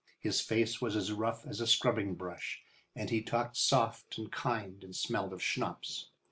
His face was as rough as a scrubbing brush, and he talked soft and kind and smelled of schnapps.